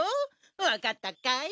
わかったかい？